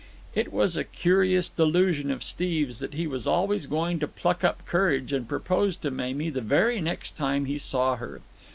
It was a curious delusion of Steve's that he was always going to pluck up courage and propose to Mamie the very next time he saw her.